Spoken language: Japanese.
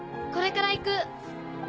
これから行く。